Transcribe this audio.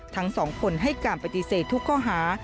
ทั้งสองคนให้การปฏิเสธทุกข้อหา